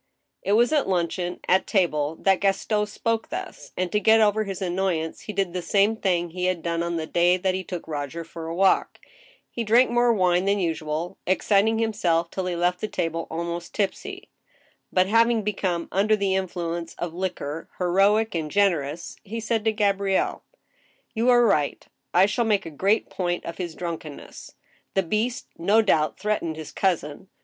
It was at luncheon, at table, that Gaston spoke thus, and to get over his annoyance he did the same thing he had done on the day that he took Roger for a walk — he drank more wine than usual, exciting himself till he left the table almost tipsy ; but, having become undo the influence of liquor heroic and generous, he said to Gabrielle :" You are right. I shall make a great point of his drunkenness. The beast, no doubt, threatened his cousin.